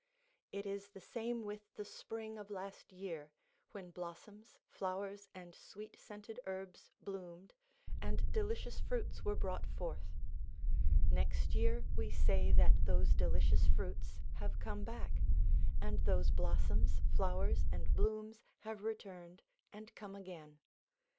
It is the same with the spring of last year, when blossoms, flowers, and sweet scented herbs bloomed, and delicious fruits were brought forth ; next year we say that those delicious fruits have come back, and those blossoms, flowers, and blooms have returned and come again.